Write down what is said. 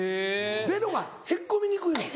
ベロがへっこみにくいの？